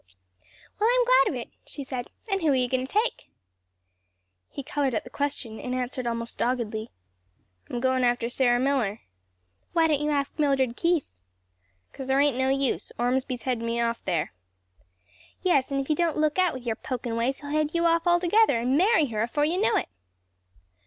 "Well, I'm glad of it," she said, "and who are you going to take?" He colored at the question and answered almost doggedly, "I'm going after Sarah Miller." "Why don't you ask Mildred Keith?" "'Cause there ain't no use; Ormsby's headed me off there." "Yes; an' if you don't look out, with yer pokin' ways, he'll head you off altogether, and marry her afore you know it."